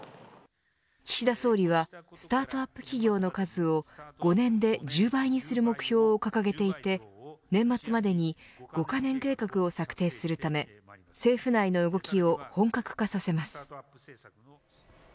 岸田総理はスタートアップ企業の数を５年で１０倍にする目標を掲げていて年末までに５カ年計画を策定するため政府内の動きを本格化させます。